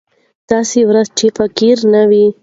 داسې ورځ چې فقر نه وي.